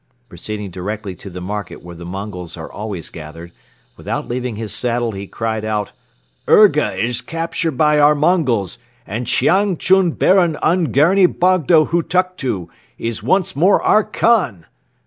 Proceeding directly to the market where the Mongols are always gathered, without leaving his saddle he cried out: "Urga is captured by our Mongols and Chiang Chun Baron Ungern! Bogdo Hutuktu is once more our Khan!